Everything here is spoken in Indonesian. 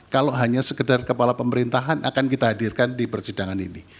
kalau hanya sekedar kepala pemerintahan akan kita hadirkan di persidangan ini